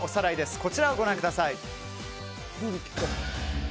こちらをご覧ください。